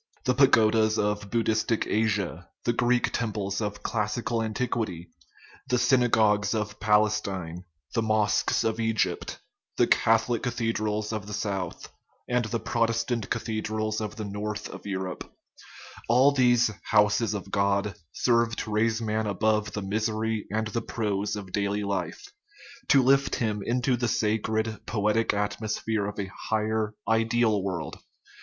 The pagodas of Buddhistic Asia, the Greek temples of classical antiquity, the synagogues of Palestine, the mosques of Egypt, the Catholic cathe drals of the south, and the Protestant cathedrals of the north, of Europe all these " houses of God " serve to raise man above the misery and the prose of daily life, to lift him into the sacred, poetic atmosphere of a high er, ideal world.